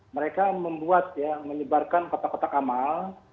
mereka membuat ya menyebarkan kotak kotak amal